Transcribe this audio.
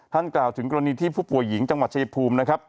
กล่าวถึงกรณีที่ผู้ป่วยหญิงจังหวัดชายภูมินะครับ